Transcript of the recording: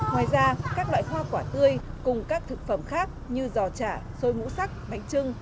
ngoài ra các loại hoa quả tươi cùng các thực phẩm khác như giò chả xôi ngũ sắc bánh trưng